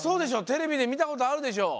テレビで見たことあるでしょ。